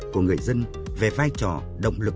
của người dân về vai trò động lực